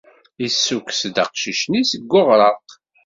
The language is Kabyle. Yessukkes-d aqcic-nni seg uɣraq.